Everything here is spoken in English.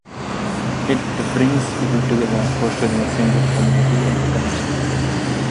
It brings people together, fostering a sense of community and connection.